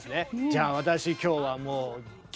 じゃあ私今日はもうよっ！